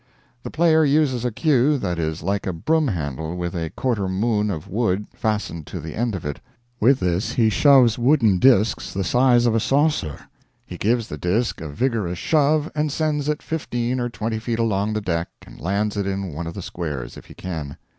The player uses a cue that is like a broom handle with a quarter moon of wood fastened to the end of it. With this he shoves wooden disks the size of a saucer he gives the disk a vigorous shove and sends it fifteen or twenty feet along the deck and lands it in one of the squares if he can.